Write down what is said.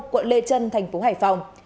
quận lê trân thành phố hải phòng